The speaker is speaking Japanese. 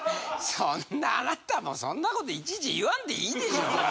そんなあなたもそんな事いちいち言わんでいいでしょうが。